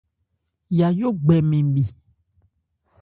Yayó gbɛ mɛn mì.